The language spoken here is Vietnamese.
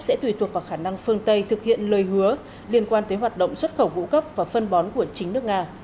sẽ tùy thuộc vào khả năng phương tây thực hiện lời hứa liên quan tới hoạt động xuất khẩu ngũ cốc và phân bón của chính nước nga